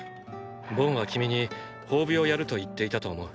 ボンは君に褒美をやると言っていたと思う。